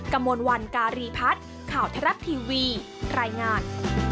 กระมวลวันการีพัฒน์ข่าวทรัฐทีวีรายงาน